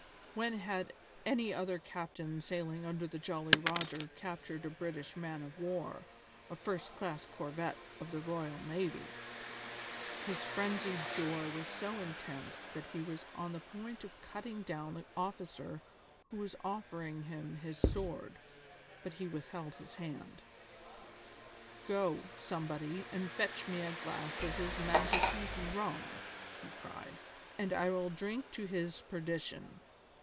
When had any other captain sailing under the Jolly Roger captured a British man of war, a first class corvette of the royal navy? His frenzied joy was so intense that he was on the point of cutting down the officer who was offering him his sword, but he withheld his hand. "Go, somebody, and fetch me a glass of his Majesty's rum," he cried, "and I will drink to his perdition!"